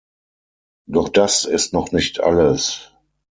Doch das ist noch nicht alles!